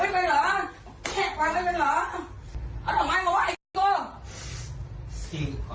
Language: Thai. ผมโดยไม่เสียไรนะครับผมไม่เสียครับ